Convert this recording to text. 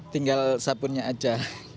tinggal sabunnya aja